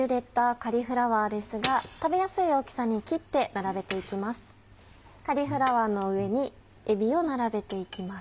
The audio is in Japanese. カリフラワーの上にえびを並べて行きます。